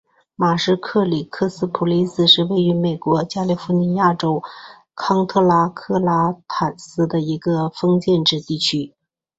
马什克里克斯普林斯是位于美国加利福尼亚州康特拉科斯塔县的一个非建制地区。